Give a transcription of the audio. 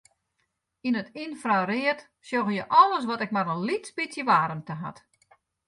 Yn it ynfraread sjogge je alles wat ek mar in lyts bytsje waarmte hat.